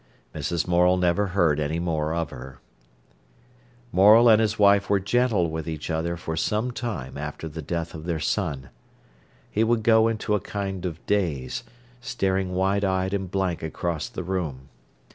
Mrs. Morel never heard any more of her. Morel and his wife were gentle with each other for some time after the death of their son. He would go into a kind of daze, staring wide eyed and blank across the room.